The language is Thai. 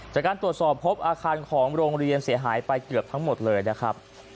จากการตรวจสอบพบอาคารของโรงเรียนเสียหายไปเกือบทั้งหมดเลยนะครับ